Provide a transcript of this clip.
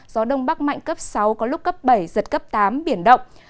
gió đông bắc mạnh cấp sáu có lúc cấp bảy giật cấp tám biển động